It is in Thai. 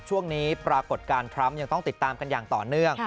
ช่วงนี้ปรากฏการณ์ทรัมป์ยังต้องติดตามกันอย่างต่อเนื่อง